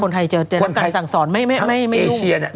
คนไทยจะรับการสั่งสอนไม่ยุ่ง